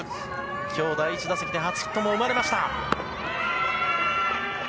今日第１打席で初ヒットも生まれました。